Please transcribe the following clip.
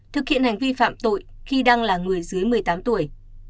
thực hiện hành vi phạm tội khi đang là người dưới một mươi tám tuổi